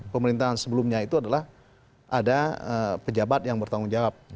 pemerintahan sebelumnya itu adalah ada pejabat yang bertanggung jawab